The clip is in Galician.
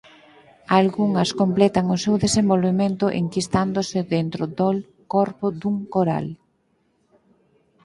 Algunhas completan o seu desenvolvemento enquistándose dentro dol corpo dun coral.